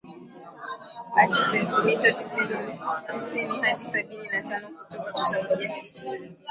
acha sentimita sitini hadi sabini na tano kutoka tuta moja hadi tuta lingine